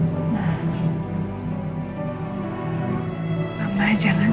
crip lagi ya crekan